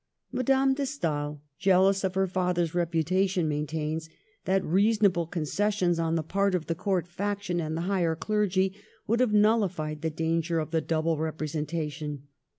Madame de Stael, jealous of her father's reputation, maintains that reasonable concessions on the part of the Court faction and the higher clergy would have nullified the danger of the double representation.